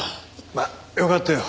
まあよかったよ